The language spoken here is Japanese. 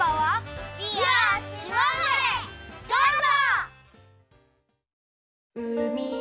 どうぞ！